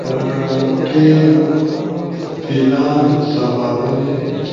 مشرقی پینان، سباہ ملے